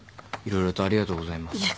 色々とありがとうございます。